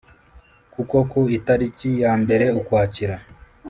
kuko ku itariki ya mbere ukwakira